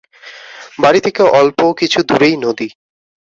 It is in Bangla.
বাড়ি থেকে অল্প কিছু দূরেই নদী।